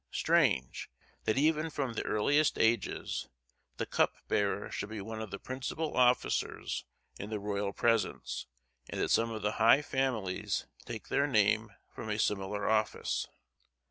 Strange! that even from the earliest ages, the cup bearer should be one of the principal officers in the royal presence, and that some of the high families take their name from a similar office.